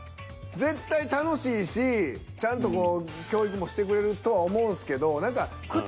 絶対楽しいしちゃんとこう教育もしてくれるとは思うんですけど。